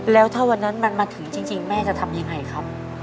แล้วถ้าวันนั้นมันมาถึงจริงแม่จะทำยังไงครับ